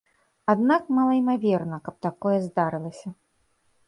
Аднак малаімаверна, каб такое здарылася.